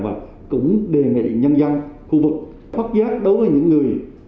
và cũng đề nghị nhân dân khu vực phát giác đối với những người